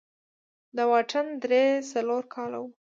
دا واټن درې تر څلور کاله و.